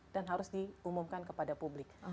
dan harus diumumkan kepada publik